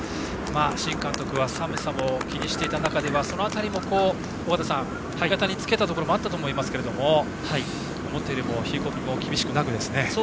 新監督は寒さも気にしていた中でその辺りも尾方さん味方につけたところもあったと思いますが思ったよりも気温も厳しくなくですね。